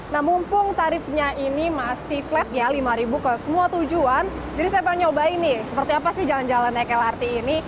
nah mumpung tarifnya ini masih flat ya rp lima ke semua tujuan jadi saya mau nyobain nih seperti apa sih jalan jalan naik lrt ini